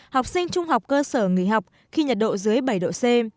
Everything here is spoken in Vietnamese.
học sinh trung học cơ sở nghỉ học khi nhiệt độ dưới bảy độ c